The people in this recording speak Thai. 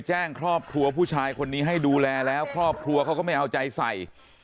แจ้งครอบครัวผู้ชายคนนี้ให้ดูแลแล้วครอบครัวเขาก็ไม่เอาใจใส่